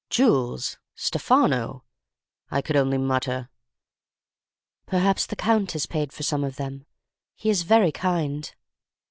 "'Jewels! Stefano!' I could only mutter. "'Perhaps the Count has paid for some of them. He is very kind.